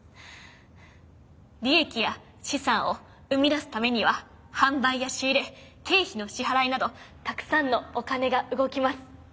利益や資産を生み出すためには販売や仕入れ経費の支払いなどたくさんのお金が動きます。